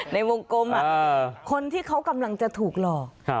ในวงกลมคนที่เขากำลังจะถูกหลอก